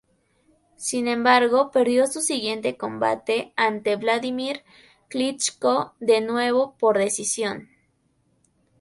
Sin embargo, perdió su siguiente combate ante Wladimir Klitschko, de nuevo por decisión.